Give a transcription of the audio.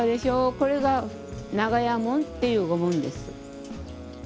これが長屋門ていう御門です。